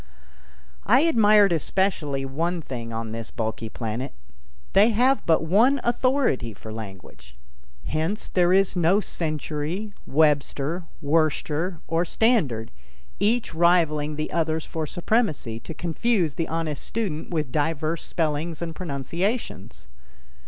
I admired especially one thing on this bulky planet. They have but one authority for language. Hence there is no Century, Webster, Worcester or Standard, each rivaling the others for supremacy, to confuse the honest student with diverse spellings and pronunciations.